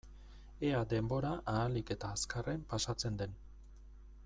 Ea denbora ahalik eta azkarren pasatzen den.